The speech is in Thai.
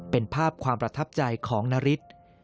เป็นภาพความประทับใจของนาริส